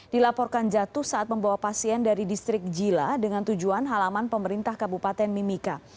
dilaporkan jatuh saat membawa pasien dari distrik jila dengan tujuan halaman pemerintah kabupaten mimika